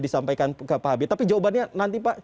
disampaikan ke pak habib tapi jawabannya nanti pak